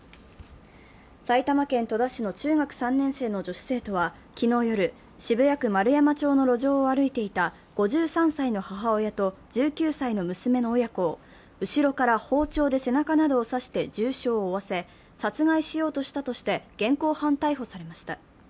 埼玉県戸田市の中学３年生の女子生徒は昨日夜、渋谷区円山町の路上を歩いていた５３歳の母親と１９歳の娘の親子を後ろから包丁で背中などを刺して重傷を負わせ、殺害しようとしたとして現行犯逮捕されました。